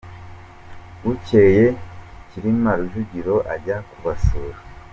bukeye Cyilima Rujugira ajya kubasura